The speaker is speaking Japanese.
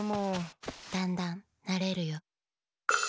だんだんなれるよ。